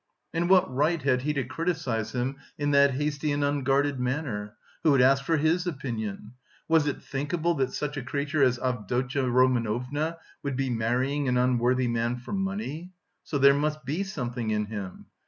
And what right had he to criticise him in that hasty and unguarded manner? Who had asked for his opinion? Was it thinkable that such a creature as Avdotya Romanovna would be marrying an unworthy man for money? So there must be something in him.